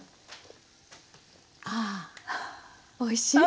ああおいしい！